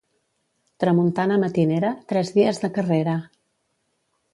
Tramuntana matinera, tres dies de carrera.